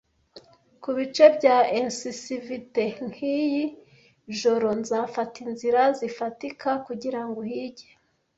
kubice bya incivivité nkiyi joro, nzafata inzira zifatika kugirango uhige